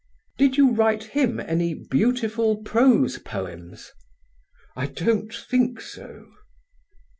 "Did you write him any beautiful prose poems?" "I don't think so."